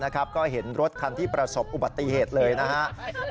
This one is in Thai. ก็เห็นรถคันที่ประสบอุบัติเหตุเลยนะครับ